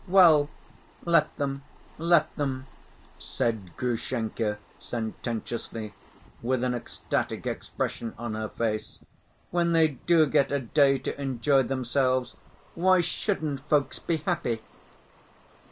"Well, let them! Let them!" said Grushenka sententiously, with an ecstatic expression on her face. "When they do get a day to enjoy themselves, why shouldn't folks be happy?"